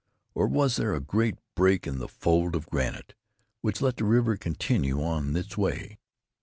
Or was there a great break in the fold of granite, which let the river continue on its way?